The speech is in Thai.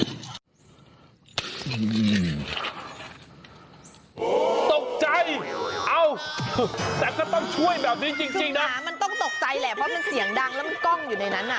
สูบหมาต้องตกใจแหละเพราะมันเสียงดังแล้วมันกล้องอยู่ในนั้นน่ะ